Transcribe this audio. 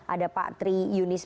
ada pak tri yunis